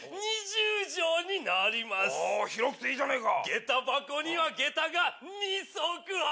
広くていいじゃねえか。